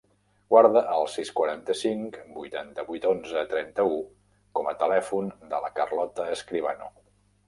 Guarda el sis, quaranta-cinc, vuitanta-vuit, onze, trenta-u com a telèfon de la Carlota Escribano.